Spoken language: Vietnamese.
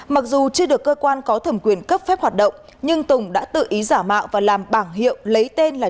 mặc dù chưa được cơ quan có thẩm quyền cấp phép hoạt động nhưng tùng đã tự ý giả mạo và làm bảng hiệu lấy tên là